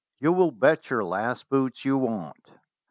"You will bet your last boots you won't.